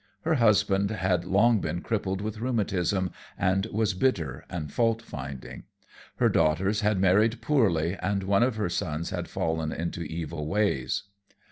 Her husband had long been crippled with rheumatism, and was bitter and faultfinding. Her daughters had married poorly, and one of her sons had fallen into evil ways.